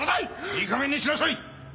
いいかげんにしなさい！